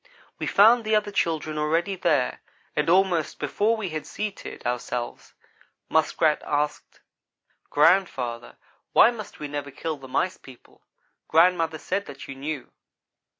We found the other children already there, and almost before we had seated ourselves, Muskrat asked: "Grandfather, why must we never kill the Mice people? Grandmother said that you knew."